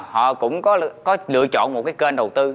họ cũng có lựa chọn một cái kênh đầu tư